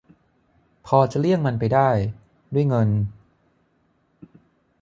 พอจะเลี่ยงมันไปได้ ด้วยเงิน